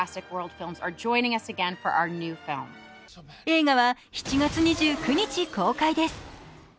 映画は７月２９日公開です。